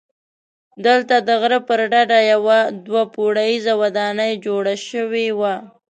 دلته د غره پر ډډه یوه دوه پوړیزه ودانۍ جوړه شوې وه.